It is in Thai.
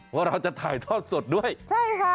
ว่าเราจะถ่ายทอดสดด้วยใช่ค่ะ